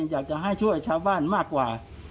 อยากจะให้ช่วยชาวบ้านมากกว่า